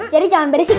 jadi jangan beresik